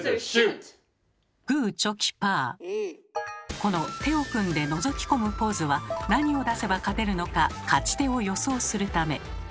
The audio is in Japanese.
この手を組んでのぞき込むポーズは何を出せば勝てるのか勝ち手を予想するため。